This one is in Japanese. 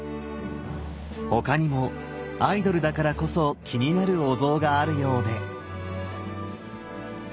他にもアイドルだからこそ気になるお像があるようで。